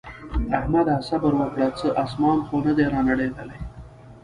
احمده! صبره وکړه څه اسمان خو نه دی رانړېدلی.